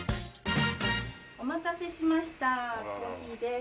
お待たせしましたコーヒーです。